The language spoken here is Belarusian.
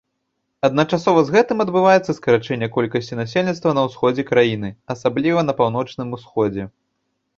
Адначасова з гэтым адбываецца скарачэнне колькасці насельніцтва на ўсходзе краіны, асабліва на паўночным усходзе.